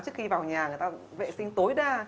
trước khi vào nhà người ta vệ sinh tối đa